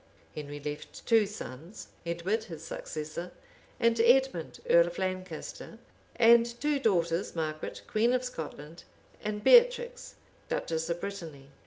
Henry left two sons, Edward, his successor, and Edmond earl of Lancaster; and two daughters, Margaret, queen of Scotland, and Beatrix, duchess of Brittany.